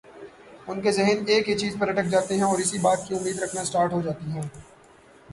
ان کے ذہن ایک ہی چیز پر اٹک جاتے ہیں اور اسی بات کی امید رکھنا اسٹارٹ ہو جاتی ہیں